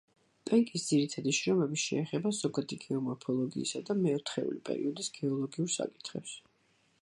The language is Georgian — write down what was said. პენკის ძირითადი შრომები შეეხება ზოგადი გეომორფოლოგიისა და მეოთხეული პერიოდის გეოლოგიურ საკითხებს.